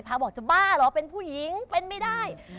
บอกจะบ้าเหรอเป็นผู้หญิงเป็นไม่ได้